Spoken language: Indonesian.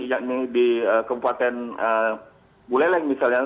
yakni di kabupaten buleleng misalnya